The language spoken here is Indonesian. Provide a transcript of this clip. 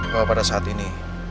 bahwa pada saat ini